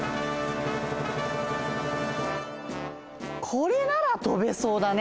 これならとべそうだね。